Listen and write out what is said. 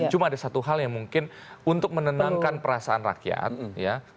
cuma ada satu hal yang mungkin untuk menenangkan perasaan rakyat ya